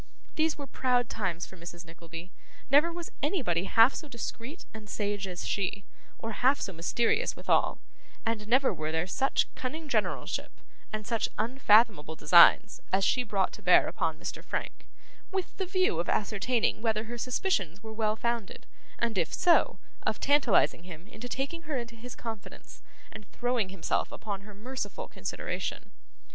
These were proud times for Mrs Nickleby; never was anybody half so discreet and sage as she, or half so mysterious withal; and never were there such cunning generalship, and such unfathomable designs, as she brought to bear upon Mr. Frank, with the view of ascertaining whether her suspicions were well founded: and if so, of tantalising him into taking her into his confidence and throwing himself upon her merciful consideration.